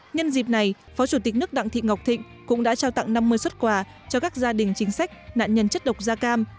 nhân dịp này phó chủ tịch nước đặng thị ngọc thịnh cũng đã trao tặng năm mươi xuất quà cho các gia đình chính sách nạn nhân chất độc da cam